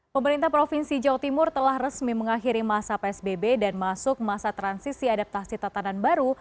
pemerintah provinsi jawa timur telah resmi mengakhiri masa psbb dan masuk masa transisi adaptasi tatanan baru